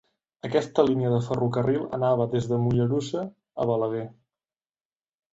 Aquesta línia de ferrocarril anava des de Mollerussa a Balaguer.